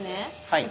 はい。